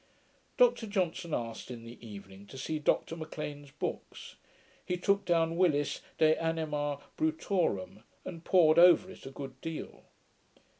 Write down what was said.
Dr Johnson asked, in the evening, to see Dr M'Lean's books. He took down Willis De Anima Brutorum, and pored over it a good deal.